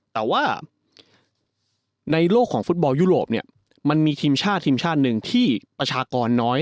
แต่ว่าในโลกของฟุตบอลยุโรปเนี่ยมันมีทีมชาติทีมชาติหนึ่งที่ประชากรน้อย